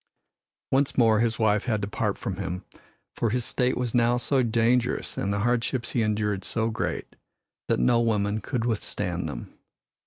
Once more his wife had to part from him, for his state was now so dangerous and the hardships he endured so great that no woman could withstand them.